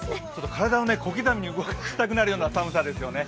体を小刻みに動かしたくなるような寒さですよね。